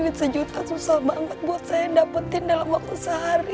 hai sejuta susah banget buat saya dapetin dalam waktu sehari